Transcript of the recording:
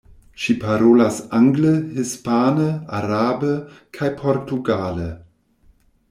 Ŝi parolas angle, hispane, arabe kaj portugale.